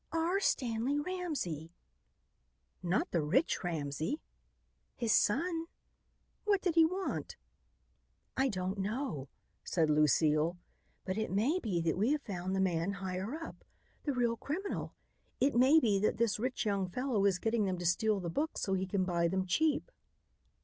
"R. Stanley Ramsey." "Not the rich Ramsey?" "His son." "What did he want?" "I don't know," said Lucile, "but it may be that we have found the man higher up, the real criminal. It may be that this rich young fellow is getting them to steal the books so he can buy them cheap."